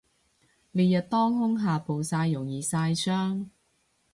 烈日當空下暴曬容易曬傷